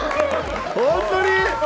本当に？